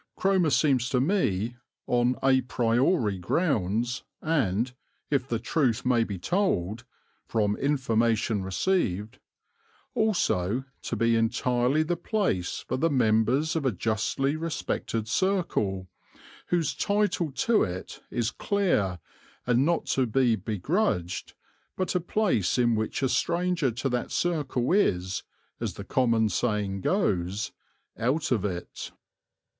Cromer seems to me on a priori grounds and, if the truth may be told, "from information received" also, to be entirely the place for the members of a justly respected circle, whose title to it is clear and not to be begrudged, but a place in which a stranger to that circle is, as the common saying goes, "out of it."